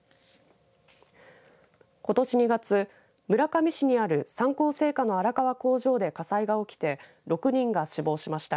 ことし２月村上市にある三幸製菓の荒川工場で火災が起きて６人が死亡しました。